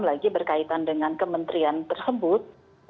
lagi berkaitan dengan kementerian tersebut